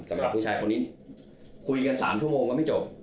สำหรับผู้ชายคนนี้คุยกัน๓ชั่วโมงก็ไม่จบ